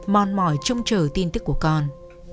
mòn mỏi trông chờ tin tức của con